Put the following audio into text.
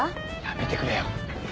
やめてくれよ。